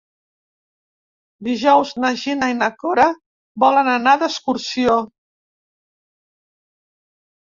Dijous na Gina i na Cora volen anar d'excursió.